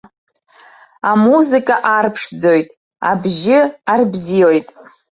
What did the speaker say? Амузыка арԥшӡоит, абжьы арбзиоит.